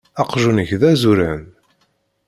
Aqjun-ik d azuran.